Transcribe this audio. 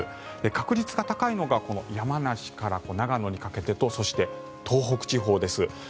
確率が高いのが山梨から長野にかけてとそして東北地方です。